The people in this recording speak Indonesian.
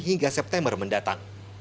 hingga september mendatang